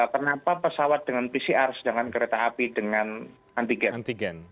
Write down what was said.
kenapa pesawat dengan pcr sedangkan kereta api dengan antigen